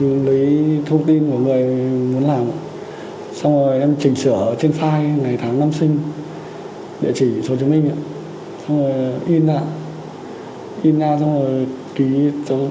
tôi lấy thông tin của người muốn làm xong rồi em chỉnh sửa trên file ngày tháng năm sinh địa chỉ số chứng minh xong rồi in ra xong rồi ký số